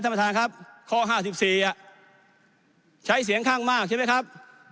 ใช่ไหมท่านธรรมฐานครับข้อ๕๔ใช้เสียงข้างมากใช่ไหมครับ